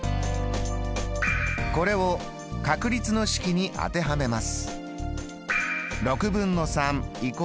これを確率の式に当てはめます。